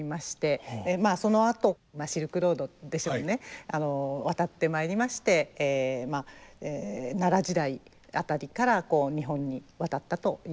そのあとシルクロードでしょうね渡ってまいりまして奈良時代辺りから日本に渡ったというふうにいわれております。